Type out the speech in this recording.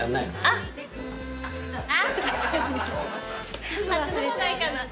あっちの方がいいかな。